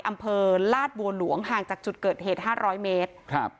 อำเภอลาดบัวหลวงห่างจากจุดเกิดเหตุ๕๐๐เมตรครับ